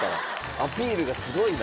アピールがすごいな。